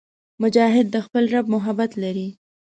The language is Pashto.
مجاهد د خپل رب محبت لري.